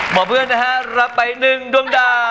หมอเพื่อนนะฮะรับไป๑ดวงดาว